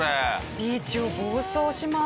ビーチを暴走します。